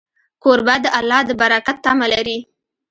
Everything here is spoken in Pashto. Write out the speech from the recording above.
کوربه د الله د برکت تمه لري.